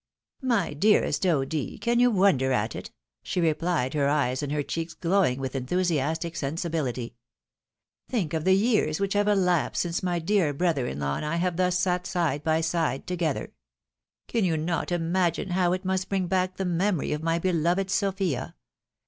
"My dearest O'D., can you wonder at it? " she replied, her eyes and her cheeks glowing with enthusiastic sensibihty. " Think of the years which have elapsed since my dear brother in law and I have thus sat side by side together ! Can you not imagine how it must bring back the memory of my beloved Sophia